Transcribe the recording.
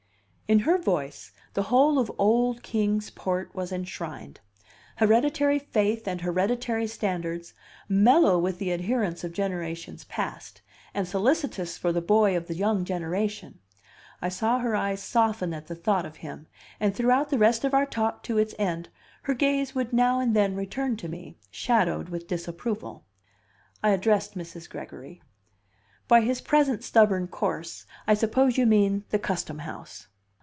In her voice, the whole of old Kings Port was enshrined: hereditary faith and hereditary standards, mellow with the adherence of generations past, and solicitous for the boy of the young generation. I saw her eyes soften at the thought of him; and throughout the rest of our talk to its end her gaze would now and then return to me, shadowed with disapproval. I addressed Mrs. Gregory. "By his 'present stubborn course' I suppose you mean the Custom House."